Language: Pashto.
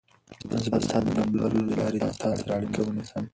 زه به ستا د نمبر له لارې له تا سره اړیکه ونیسم.